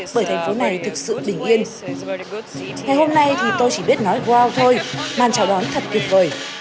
bởi thành phố này thực sự bình yên hôm nay thì tôi chỉ biết nói wow thôi màn chào đón thật kỳ vời